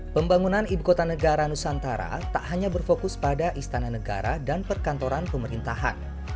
pembangunan ibu kota negara nusantara tak hanya berfokus pada istana negara dan perkantoran pemerintahan